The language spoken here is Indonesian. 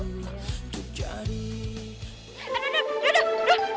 aduh aduh aduh aduh aduh